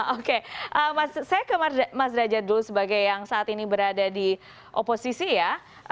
oke saya ke mas derajat dulu sebagai yang saat ini berada di oposisi ya